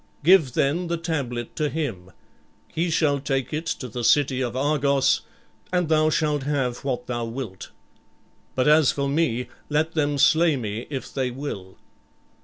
Give then the tablet to him. He shall take it to the city of Argos and thou shalt have what thou wilt. But as for me, let them slay me if they will."